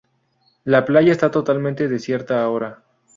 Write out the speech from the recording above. La playa está totalmente desierta ahora.